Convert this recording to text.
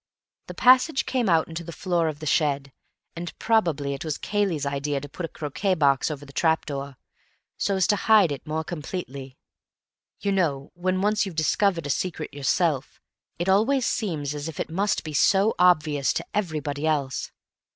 The passage came out into the floor of the shed, and probably it was Cayley's idea to put a croquet box over the trap door, so as to hide it more completely. You know, when once you've discovered a secret yourself, it always seems as if it must be so obvious to everybody else.